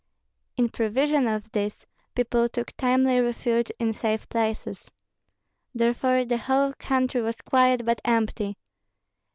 In prevision of this, people took timely refuge in safe places. Therefore the whole country was quiet, but empty.